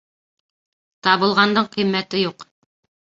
Табылғандың ҡиммәте юҡ.